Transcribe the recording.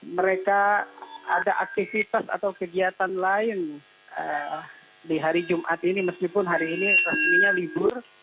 mereka ada aktivitas atau kegiatan lain di hari jumat ini meskipun hari ini resminya libur